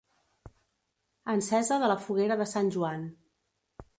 Encesa de la foguera de Sant Joan.